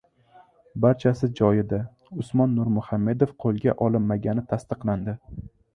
Barchasi joyida: Usmon Nurmuhamedov qo‘lga olinmagani tasdiqlandi